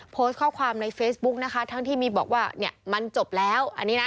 โพสต์ข้อความในเฟซบุ๊กนะคะทั้งที่มีบอกว่ามันจบแล้ว